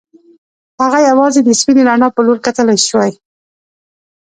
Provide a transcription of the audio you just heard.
هغه یوازې د سپینې رڼا په لور کتلای شوای